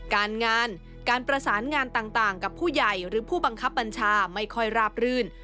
การงานการประสานงานต่างกับผู้ใหญ่หรือผู้บังคับบัญชาไม่ค่อยราบรื่น